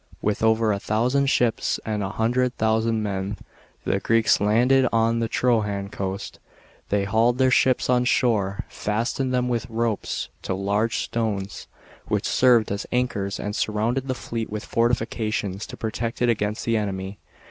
With over a thousand ships and a hundred thousand men, the Greeks landed on the Trojan coast. They hauled their ships on shor^, fastened them with ropes to large stones, which served as anchors, and surrounded the fleet with fortifications to protect it against the enemy.